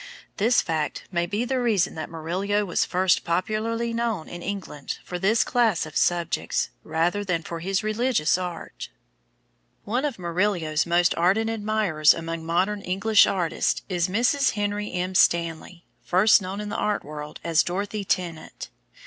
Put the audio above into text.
This fact may be the reason that Murillo was first popularly known in England for this class of subjects, rather than for his religious art. One of Murillo's most ardent admirers among modern English artists is Mrs. Henry M. Stanley, first known in the art world as Dorothy Tennant.